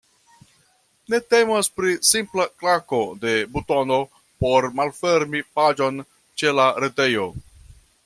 Ne temas pri simpla klako de butono por malfermi paĝon ĉe la retejo.